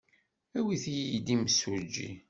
Awit-iyi-d imsujji.